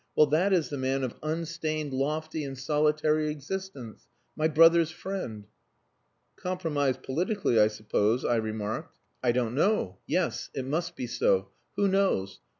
Well, that is the man of 'unstained, lofty, and solitary existence.' My brother's friend!" "Compromised politically, I suppose," I remarked. "I don't know. Yes. It must be so. Who knows!